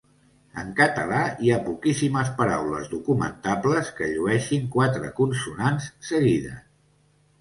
En català hi ha poquíssimes paraules documentables que llueixin quatre consonants seguides.